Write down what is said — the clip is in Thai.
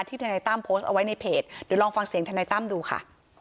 ทนายตั้มโพสต์เอาไว้ในเพจเดี๋ยวลองฟังเสียงทนายตั้มดูค่ะ